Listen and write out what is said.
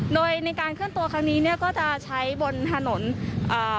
โดยในการเคลื่อนตัวครั้งนี้เนี้ยก็จะใช้บนถนนอ่า